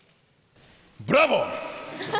ブラボー。